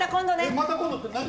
えっまた今度って何？